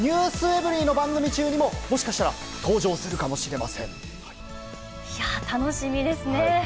ｎｅｗｓｅｖｅｒｙ．の番組中にも、もしかしたら登場するかもいやー、楽しみですね。